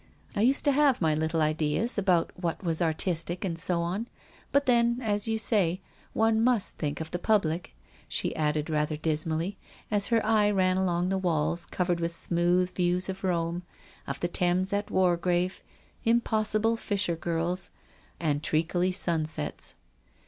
I used to have my little ideas about what was ! artistic and so on ; but then, as you say, one \ must think of the public," she added, ratjier * dismally, as her eye ran along the walls cov ered with smooth views of Rome, of the Thames at Wargrave, impossible fisher girls, and treacly sunsets.